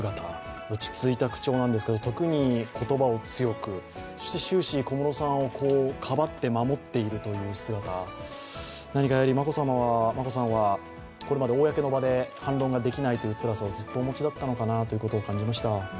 落ち着いた口調なんですけど時に言葉を強く、そして終始小室さんをかばって守っているという姿何か、眞子さんはこれまで公の場で反論ができないというつらさをずっとお持ちだったんだなと感じました。